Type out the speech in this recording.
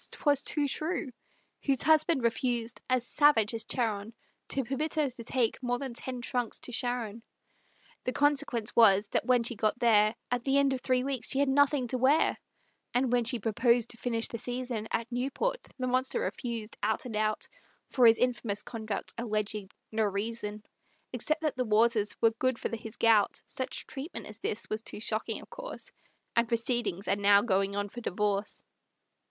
'twas too true, Whose husband refused, as savage as Charon, To permit her to take more than ten trunks to Sharon. The consequence was, that when she got there, At the end of three weeks she had nothing to wear; And when she proposed to finish the season At Newport, the monster refused, out and out, For his infamous conduct alleging no reason, Except that the waters were good for his gout; Such treatment as this was too shocking, of course, And proceedings are now going on for divorce.